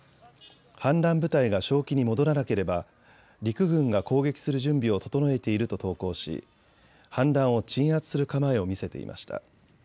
反乱部隊が正気に戻らなければ陸軍が攻撃する準備を整えていると投稿し反乱を鎮圧する構えを見せていました。